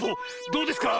どうですか？